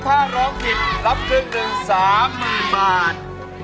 ถ้าร้องผิดรับถึง๓๐๐๐๐บาท